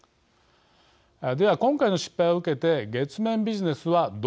では今回の失敗を受けて月面ビジネスはどうなるのか。